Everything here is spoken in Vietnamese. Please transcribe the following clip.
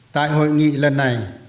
tại hội nghị lần này